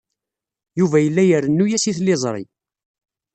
Yuba yella irennu-as i tliẓri.